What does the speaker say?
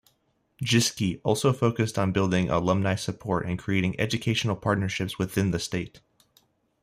Jischke also focused on building alumni support and creating educational partnerships within the state.